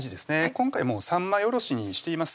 今回もう三枚おろしにしています